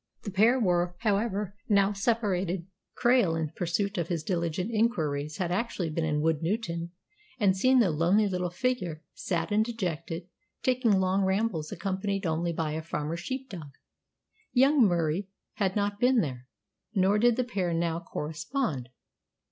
The pair were, however, now separated. Krail, in pursuit of his diligent inquiries, had actually been in Woodnewton, and seen the lonely little figure, sad and dejected, taking long rambles accompanied only by a farmer's sheep dog. Young Murie had not been there; nor did the pair now correspond.